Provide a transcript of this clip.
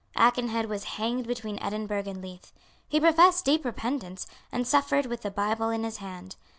Aikenhead was hanged between Edinburgh and Leith. He professed deep repentance, and suffered with the Bible in his hand.